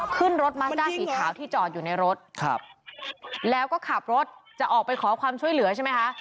ขึ้นรถมัสด้าสีขาวที่จอดอยู่ในรถครับแล้วก็ขับรถจะออกไปขอความช่วยเหลือใช่ไหมคะ